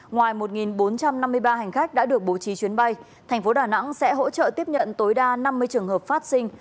ngoài một bốn trăm năm mươi ba hành khách đã được bố trí chuyến bay thành phố đà nẵng sẽ hỗ trợ tiếp nhận tối đa năm mươi trường hợp phát sinh